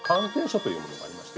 というものがありまして。